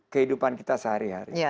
kehidupan kita sehari hari